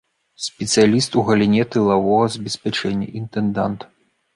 Спецыяліст у галіне тылавога забеспячэння, інтэндант.